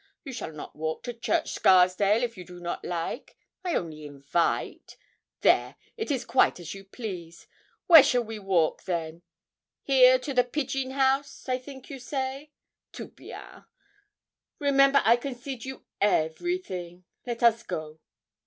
You shall not walk to Church Scarsdale if you do not like I only invite. There! It is quite as you please, where we shall walk then? Here to the peegeon house? I think you say. Tout bien! Remember I concede you everything. Let us go.'